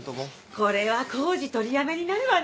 これは工事取りやめになるわね。